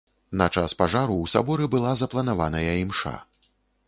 На час пажару ў саборы была запланаваная імша.